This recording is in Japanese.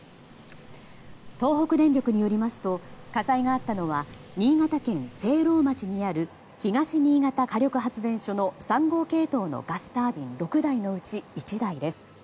東北電力によりますと火災があったのは新潟県聖籠町にある東新潟火力発電所の３号系統のガスタービン６台のうち１台です。